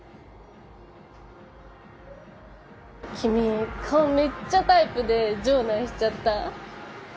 君顔めっちゃタイプで場内しちゃった。